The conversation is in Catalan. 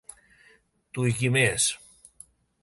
Tu i qui més?